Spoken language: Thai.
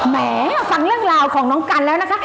แหมฟังเรื่องราวของน้องกันแล้วนะคะ